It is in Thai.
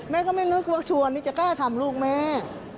ก็ไม่นึกว่าชวนนี่จะกล้าทำลูกแม่